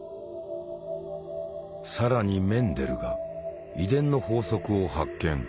更にメンデルが遺伝の法則を発見。